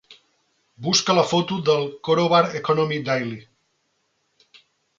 Busca la foto del Karobar Economic Daily.